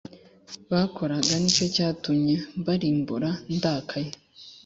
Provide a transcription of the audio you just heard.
bakoraga ni cyo cyatumye mbarimbura ndakaye